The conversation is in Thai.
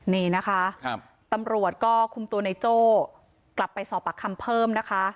นี่นะคะตำรวจก็คุมตัวในโจ้กลับไปสอบปากคำเพิ่มนะคะ